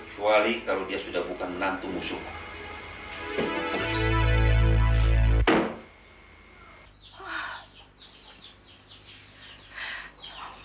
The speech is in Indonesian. kecuali kalau dia sudah bukan menantu musuh